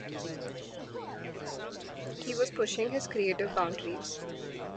He was pushing his creative boundaries.